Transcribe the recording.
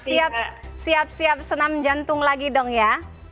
jadi siap siap senam jantung lagi dong ya